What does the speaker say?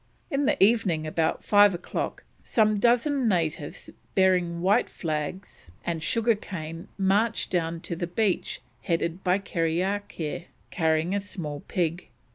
In the evening, about five o'clock, some dozen natives bearing white flags and sugar cane marched down to the beach headed by Kerriakair carrying a small pig.